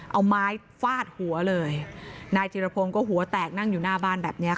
เอาไม้ฟาดหัวเลยนายธิรพงศ์ก็หัวแตกนั่งอยู่หน้าบ้านแบบเนี้ยค่ะ